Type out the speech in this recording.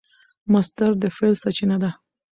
مصدر د فعل سرچینه ده.